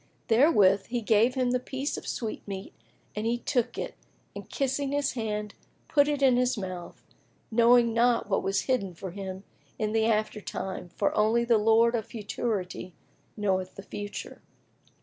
Therewith he gave him the piece of sweetmeat and he took it and kissing his hand, put it in his mouth, knowing not what was hidden for him in the after time for only the Lord of Futurity knoweth the Future.